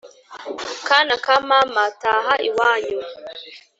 Kana ka mama taha iwanyu